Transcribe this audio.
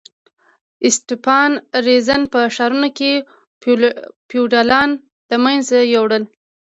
اسټپان رزین په ښارونو کې فیوډالان له منځه یوړل.